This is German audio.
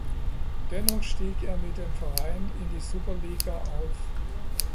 Dennoch stieg er mit dem Verein in die Superliga auf.